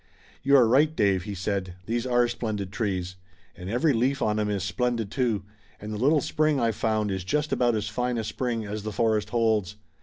"You are right, Dave," he said. "These are splendid trees, and every leaf on 'em is splendid, too, and the little spring I found is just about as fine a spring as the forest holds.